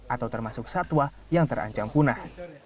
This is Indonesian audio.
atau termasuk satwa yang terancam punah